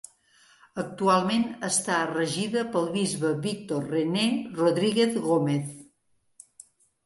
Actualment està regida pel bisbe Víctor René Rodríguez Gómez.